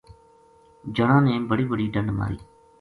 جنا نے بڑی بڑی ڈنڈ ماری